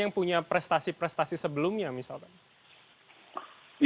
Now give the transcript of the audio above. yang punya prestasi prestasi sebelumnya misalkan